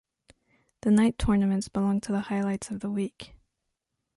The knight tournaments belong to the highlights of the week.